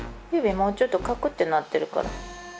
もうちょっとかくってなってるから。